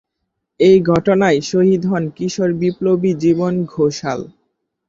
এই ঘটনায় শহীদ হন কিশোর বিপ্লবী জীবন ঘোষাল।